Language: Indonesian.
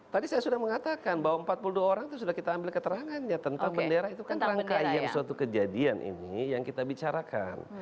tadi saya sudah mengatakan bahwa empat puluh dua orang itu sudah kita ambil keterangannya tentang bendera itu kan rangkaian suatu kejadian ini yang kita bicarakan